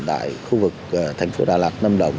tại khu vực thành phố đà lạt nâm đồng